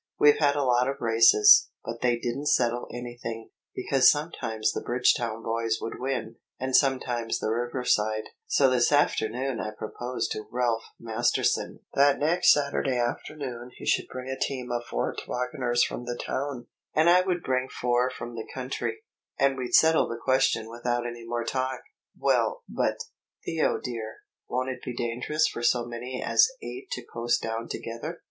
We've had a lot of races, but they didn't settle anything, because sometimes the Bridgetown boys would win and sometimes the Riverside; so this afternoon I proposed to Ralph Masterton that next Saturday afternoon he should bring a team of four tobogganers from the town, and I would bring four from the country, and we'd settle the question without any more talk." "Well, but, Theo dear, won't it be dangerous for so many as eight to coast down together?